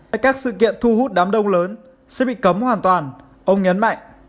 tại các sự kiện thu hút đám đông lớn sẽ bị cấm hoàn toàn ông nhấn mạnh